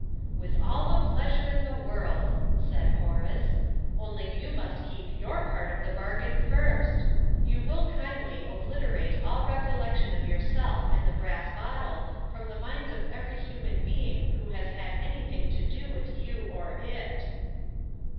"With all the pleasure in the world!" said Horace; "only you must keep your part of the bargain first. You will kindly obliterate all recollection of yourself and the brass bottle from the minds of every human being who has had anything to do with you or it."